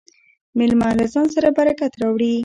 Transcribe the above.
مېلمه له ځان سره برکت راوړي.